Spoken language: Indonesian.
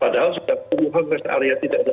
padahal sudah puluhan rest area tidak ada